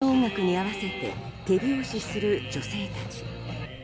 独特の音楽に合わせて手拍子する女性たち。